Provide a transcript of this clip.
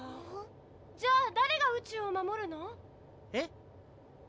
じゃあだれが宇宙を守るの？え？